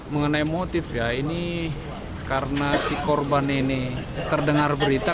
mengenai motif ya ini karena si korban ini terdengar berita